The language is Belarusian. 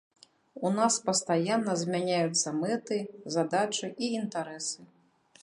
У нас пастаянна змяняюцца мэты, задачы і інтарэсы.